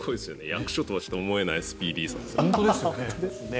役所とは思えないスピーディーさですよね。